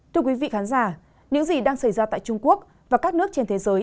thưa quý vị khán giả những gì đang xảy ra tại trung quốc và các nước trên thế giới